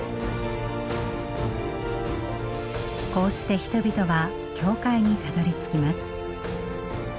こうして人々は教会にたどりつきます。